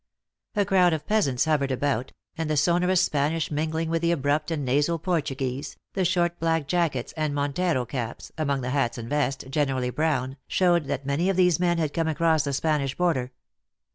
A crowd of peasants hovered about, and the sonorous Spanish mingling with the abrupt and nasal Portuguese, the short black jackets and montero caps, among the hats and vests, generally brown, showed that many of these men had come across the Spanish border.